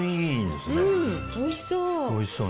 おいしそう。